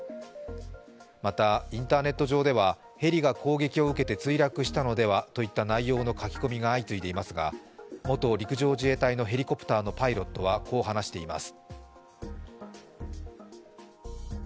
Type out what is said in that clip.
また、インターネット上ではヘリが攻撃を受けて墜落したのではとの内容の書き込みが相次いでいますが元陸上自衛隊のヘリコプターのパイロットはこう話しています。